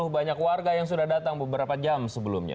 banyak warga yang sudah datang beberapa jam sebelumnya